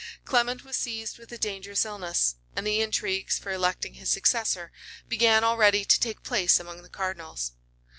Clement was seized with a dangerous illness; and the intrigues, for electing his successor, began already to take place among the cardinals.